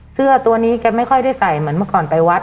เสื้อตัวนี้แกไม่ค่อยได้ใส่เหมือนเมื่อก่อนไปวัด